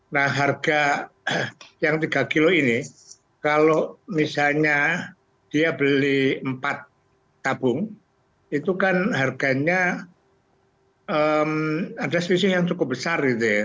nah harga yang tiga kg ini kalau misalnya dia beli empat tabung itu kan harganya ada selisih yang cukup besar